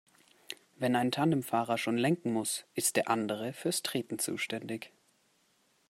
Wenn ein Tandemfahrer schon lenken muss, ist der andere fürs Treten zuständig.